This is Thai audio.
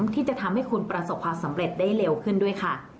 ที่จะทำให้คุณประสบความสำเร็จได้เร็วขึ้นด้วยค่ะ